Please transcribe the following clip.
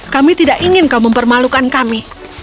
kami tidak ingin kau mempermalukan kami